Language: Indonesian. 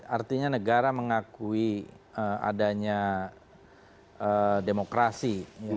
artinya negara mengakui adanya demokrasi